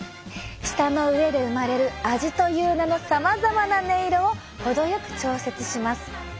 舌の上で生まれる味という名のさまざまな音色をほどよく調節します。